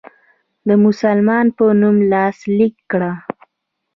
د مسلمان په نوم لاسلیک کړ.